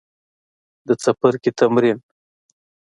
د څپرکي تمرین